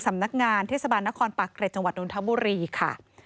สำนักงานเทศบาลนครปากเกร็จจังหวัดนทบุรีค่ะ